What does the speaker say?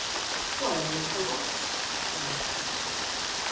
" Why only for once ?" I asked.